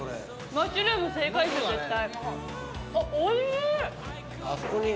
マッシュルーム正解ですよ絶対。